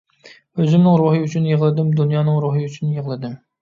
ئۆزۈمنىڭ روھى ئۈچۈن يىغلىدىم، دۇنيانىڭ روھى ئۈچۈن يىغلىدىم.